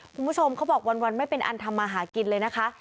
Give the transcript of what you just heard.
คุณผู้ชมเขาบอกวันไม่เป็นอันทำมาหากินเลยนะคะ